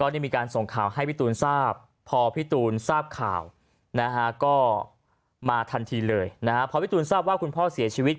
ก็ได้มีการส่งข่าวให้พี่ตูนทราบพอพี่ตูนทราบข่าวนะฮะก็มาทันทีเลยนะฮะพอพี่ตูนทราบว่าคุณพ่อเสียชีวิต